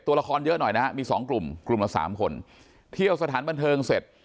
ตัวละครเยอะหน่อยนะฮะมีสองกลุ่มกลุ่มละสามคนเที่ยวสถานบันเทิงเสร็จ